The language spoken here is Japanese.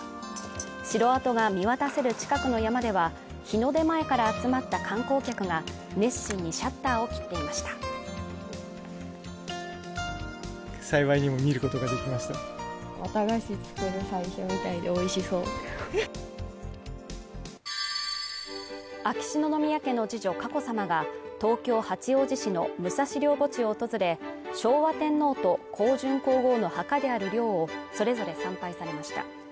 城跡が見渡せる近くの山では日の出前から集まった観光客が熱心にシャッターを切っていました秋篠宮家の次女佳子さまが東京八王子市の武蔵陵墓地を訪れ昭和天皇と香淳皇后の墓である陵をそれぞれ参拝されました